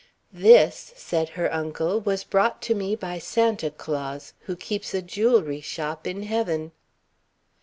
"This," said her uncle, "was brought to me by Santa Claus, who keeps a jewellery shop in heaven."